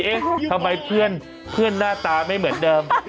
เอ๊ะทำไมเพื่อนหน้าตาไม่เหมือนเดิม